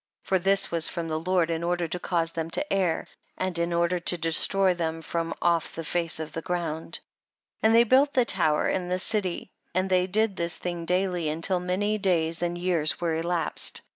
30. For this was from the Lord in order to cause them to err, and in order to destroy them from off the face of the ground, 3 1 . And they built the tower and the city, and they did this thing daily until many days and years were elapsed.